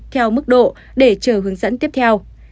theo mức độ để chờ hướng dẫn tiếp theo